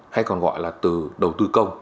hay còn gọi là từ đầu tư công